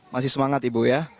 masih semangat ibu ya